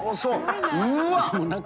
うわっ！